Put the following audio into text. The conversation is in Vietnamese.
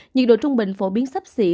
nhiệt độ trung bình phổ biến sắp xỉ